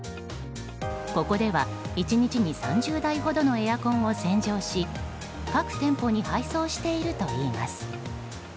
ここでは１日に３０台ほどのエアコンを洗浄し各店舗に配送しているといいます。